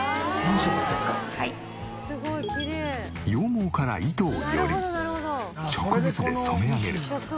羊毛から糸をより植物で染め上げる。